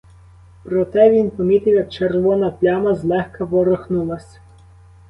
Проте він помітив, як червона пляма злегка ворухнулася.